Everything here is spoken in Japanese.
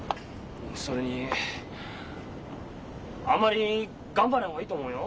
それにあんまり頑張らない方がいいと思うよ。